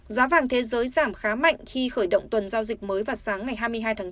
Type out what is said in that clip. giá vàng thế giới giảm khá mạnh khi khởi động tuần giao dịch mới vào sáng ngày hai mươi hai tháng bốn